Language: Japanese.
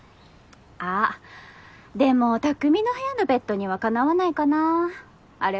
あっでも匠の部屋のベッドにはかなわないかなあれ